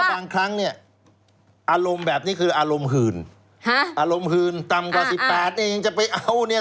อารมณ์หืนอารมณ์หืนต่ำกว่าสิบแปดเองจะไปเอาเนี่ย